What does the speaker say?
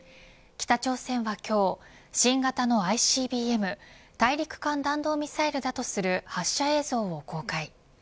北朝鮮は今日、新型のＩＣＢＭ大陸間弾道ミサイルだとする発射映像を公開。